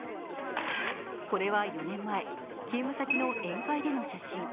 これは４年前、勤務先の宴会での写真。